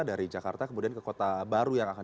dari jakarta kemudian ke kota baru yang akan